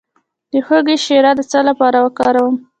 د هوږې شیره د څه لپاره وکاروم؟